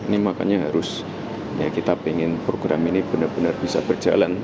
ini makanya harus ya kita ingin program ini benar benar bisa berjalan